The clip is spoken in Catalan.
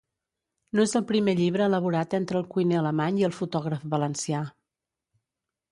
No és el primer llibre elaborat entre el cuiner alemany i el fotògraf valencià.